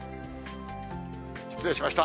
失礼しました。